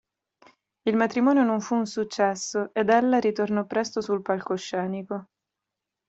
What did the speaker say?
Il matrimonio non fu un successo, ed ella ritornò presto sul palcoscenico.